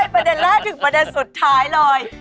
ประเด็นแรกถึงประเด็นสุดท้ายเลย